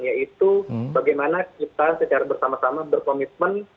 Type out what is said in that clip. yaitu bagaimana kita secara bersama sama berkomitmen